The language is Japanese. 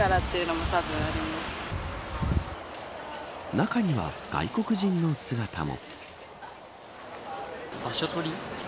中には、外国人の姿も。